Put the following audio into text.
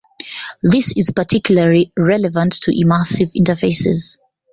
This is particularly relevant to immersive interfaces.